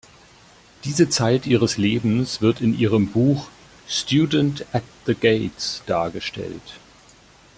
Diese Zeit ihres Lebens wird in ihrem Buch „Student at the gates“ dargestellt.